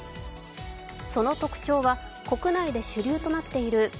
その特徴は国内で主流となっているＢＡ．